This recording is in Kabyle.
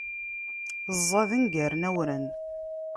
Ẓẓaden, ggaren awren.